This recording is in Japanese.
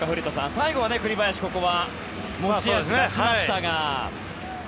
最後は栗林が持ち味を出しましたが。